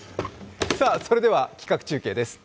それでは、企画中継です。